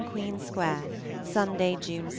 13 QUEEN SQUARE, Sunday (June 2).